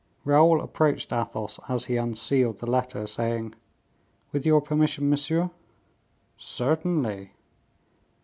Raoul approached Athos as he unsealed the letter, saying, "With your permission, monsieur." "Certainly."